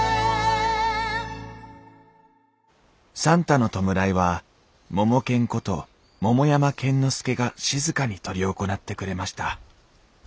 算太の弔いはモモケンこと桃山剣之介が静かに執り行ってくれました